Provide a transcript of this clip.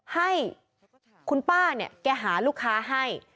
ให้คุณป้าเนี่ยแกหาลูกค้าให้